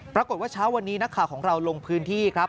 ปรากฏว่าเช้าวันนี้นักข่าวของเราลงพื้นที่ครับ